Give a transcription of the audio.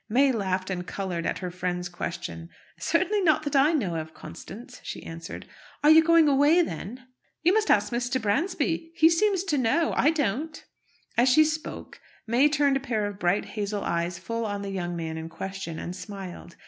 May laughed and coloured at her friend's question. "Certainly not that I know of, Constance," she answered. "Are you going away, then?" "You must ask Mr. Bransby. He seems to know; I don't." As she spoke, May turned a pair of bright hazel eyes full on the young gentleman in question, and smiled.